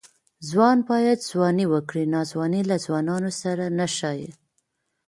ځوان باید ځواني وکړي؛ ناځواني له ځوانانو سره نه ښايي.